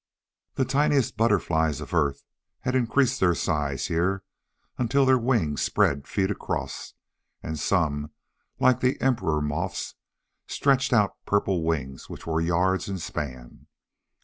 The tiniest butterflies of Earth had increased their size here until their wings spread feet across, and some like the emperor moths stretched out purple wings which were yards in span.